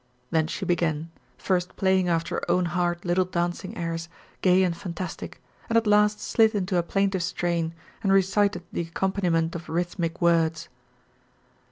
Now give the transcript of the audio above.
Then she began, first playing after her own heart little dancing airs, gay and fantastic, and at last slid into a plaintive strain, and recited the accompaniment of rhythmic words.